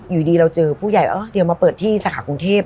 อยู่ดีเราเจอผู้ใหญ่เดี๋ยวมาเปิดที่สาขากรุงเทพ